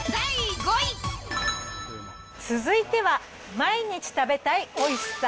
続いては、毎日食べたいおいしさ。